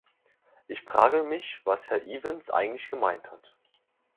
Ich frage mich, was Herr Evans eigentlich gemeint hat.